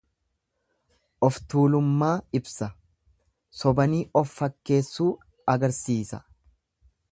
Oftuulummaa ibsa, sobanii of fakkeessuu agarsiisa.